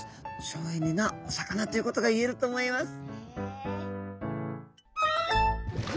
省エネなお魚ということがいえると思います。